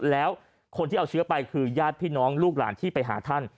แล้วคนที่เอาเชื้อไปคือญาติพี่น้องลูกหลานที่ไปหาท่าน